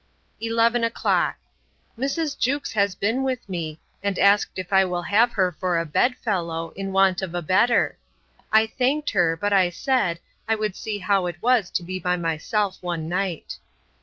Eleven o'clock. Mrs. Jewkes has been with me, and asked if I will have her for a bed fellow, in want of a better? I thanked her; but I said, I would see how it was to be by myself one night.